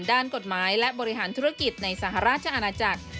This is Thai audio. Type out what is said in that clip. ด้านกฎหมายและบริหารธุรกิจในสหราชอาณาจักร